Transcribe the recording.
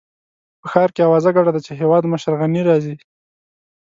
په ښار کې اوازه ګډه ده چې هېوادمشر غني راځي.